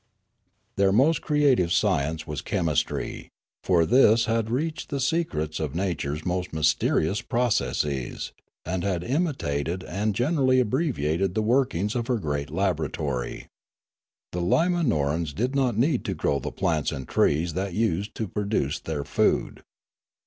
Their most creative science was chemistry ; for this had reached the secrets of nature's most mysterious processes, and had imitated and generally abbreviated the workings of her great laboratory. The Limanoransv did not need to grow the plants and trees that used to produce their food.